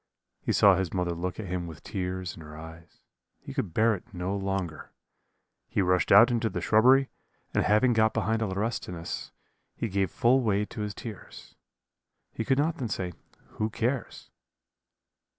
He saw his mother look at him with tears in her eyes. He could bear it no longer he rushed out into the shrubbery, and having got behind a laurestinus, he gave full way to his tears he could not then say, 'Who cares?'